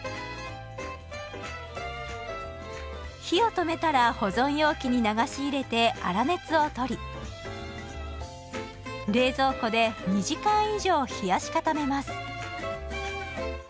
火を止めたら保存容器に流し入れて粗熱を取り冷蔵庫で２時間以上冷やし固めます。